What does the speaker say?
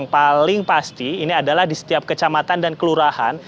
paling pasti ini adalah di setiap kecamatan dan kelurahan